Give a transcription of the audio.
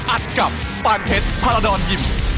อัดกับปานเพชรพาราดรยิม